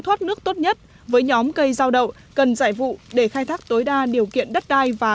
thoát nước tốt nhất với nhóm cây rau đậu cần giải vụ để khai thác tối đa điều kiện đất đai và